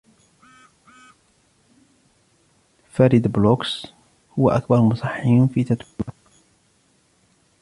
فرِد بلوغس هو أكبر مصحح في تتويبا.